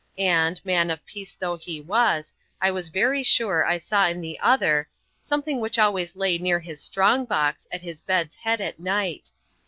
And, man of peace though he was, I was very sure I saw in the other something which always lay near his strong box, at his bed's head at night.